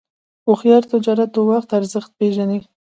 هوښیار تجارت د وخت ارزښت پېژني.